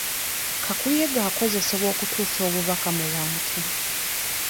Kakuyege akozesebwa okutuusa obubaka mu bantu.